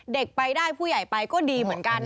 เด็กไปได้ผู้ใหญ่ไปก็ดีเหมือนกัน